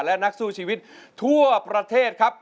และนักสู้ชีวิตทั่วประเทศครับ